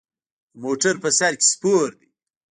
د موټر په سر کې سپور دی.